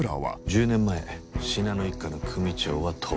１０年前信濃一家の組長は当麻。